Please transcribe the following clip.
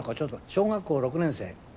小学校６年生。